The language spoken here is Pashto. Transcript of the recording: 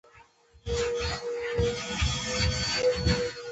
احمد به کسه دی، ځکه هر څوک ورسره لانجې کوي.